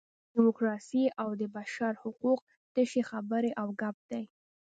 ډیموکراسي او د بشر حقوق تشې خبرې او ګپ دي.